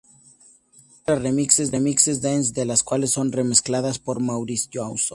Muestra "remixes" "dance" de las cuales son remezcladas por Maurice Joshua.